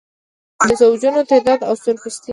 د زوجونو تعدد او سرپرستي.